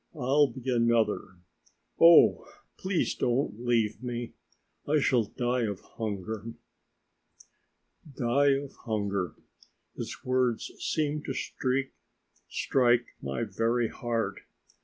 I'll be another. Oh, please don't leave me; I shall die of hunger!" Die of hunger! His words seemed to strike my very heart.